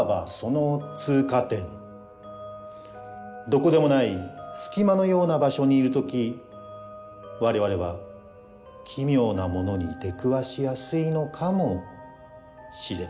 どこでもない隙間のような場所にいる時我々は奇妙なものに出くわしやすいのかもしれません。